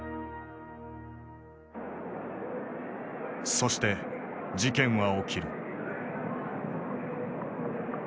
そして事件は起きる。